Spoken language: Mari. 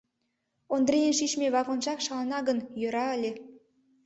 Ондрийын шичме вагонжак шалана гын, йӧра ыле.